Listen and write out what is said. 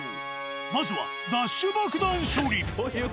まずは、ダッシュ爆弾処理。